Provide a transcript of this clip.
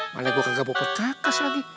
makanya gue kagak bawa percakas lagi